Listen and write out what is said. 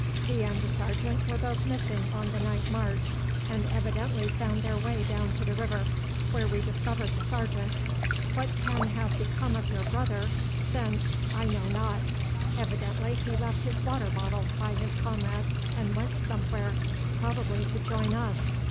He and the sergeant were both missing on the night march, and evidently found their way down to the river where we discovered the sergeant. What can have become of your brother since I know not. Evidently he left his water bottle by his comrade and went somewhere, probably to join us.